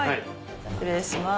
失礼します。